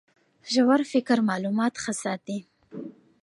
ژور فکر معلومات ښه ساتي.